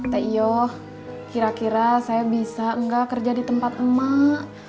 teh yo kira kira saya bisa enggak kerja di tempat emak